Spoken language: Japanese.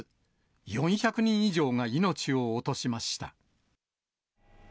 ４００人以上が命を落としました。